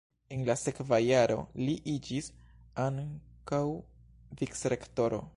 En la sekva jaro li iĝis ankaŭ vicrektoro.